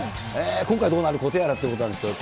今回、どうなることやらということなんですけど。